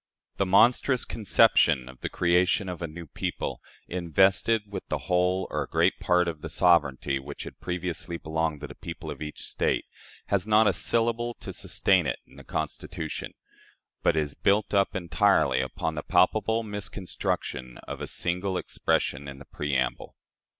The monstrous conception of the creation of a new people, invested with the whole or a great part of the sovereignty which had previously belonged to the people of each State, has not a syllable to sustain it in the Constitution, but is built up entirely upon the palpable misconstruction of a single expression in the preamble.